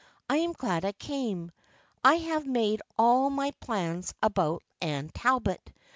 I am glad I came. I have made all my plans about Anne Talbot.